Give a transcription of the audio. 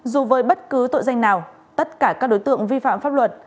dù với bất cứ tội danh nào tất cả các đối tượng vi phạm pháp luật